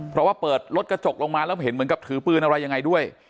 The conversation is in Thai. เพราะว่าเปิดรถกระจกลงมาแล้วเห็นเหมือนกับถือปืนอะไรยังไงด้วย